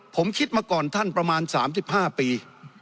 ผมคิดมาก่อนท่านประมาณ๓๕ปี